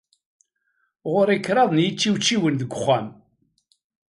Ɣur-i kraḍ n yičiwčiwen deg uxxam.